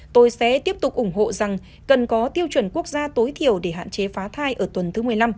tôi sẽ tiếp tục ủng hộ rằng cần có tiêu chuẩn quốc gia tối thiểu để hạn chế phá thai ở tuần thứ một mươi năm